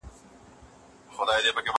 زه سبزیجات نه جمع کوم؟